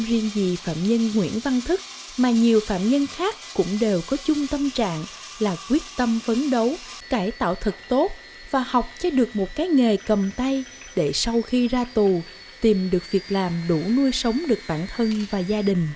hiện nay phạm nhân đã có tay nghề khá vững vàng